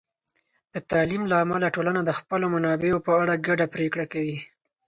د تعلیم له امله، ټولنه د خپلو منابعو په اړه په ګډه پرېکړه کوي.